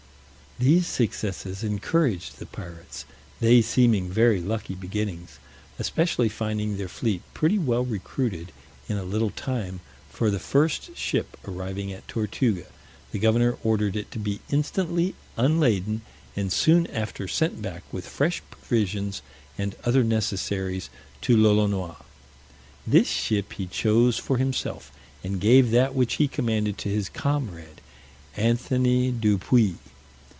These successes encouraged the pirates, they seeming very lucky beginnings, especially finding their fleet pretty well recruited in a little time: for the first ship arriving at Tortuga, the governor ordered it to be instantly unladen, and soon after sent back, with fresh provisions, and other necessaries, to Lolonois. This ship he chose for himself, and gave that which he commanded to his comrade, Anthony du Puis.